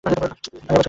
আমি আবার ছুটতে লাগলাম।